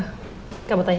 dennis ya kenapa